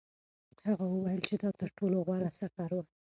هغه وویل چې دا تر ټولو غوره سفر و.